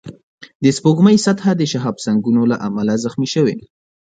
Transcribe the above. د سپوږمۍ سطحه د شهابسنگونو له امله زخمي شوې